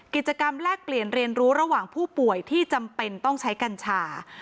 แลกเปลี่ยนเรียนรู้ระหว่างผู้ป่วยที่จำเป็นต้องใช้กัญชา